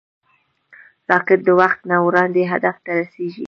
راکټ د وخت نه وړاندې هدف ته رسېږي